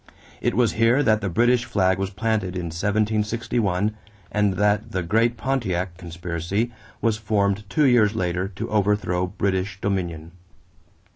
It was here that the British flag was planted in 1761 and that the great Pontiac conspiracy was formed two years later to overthrow British dominion.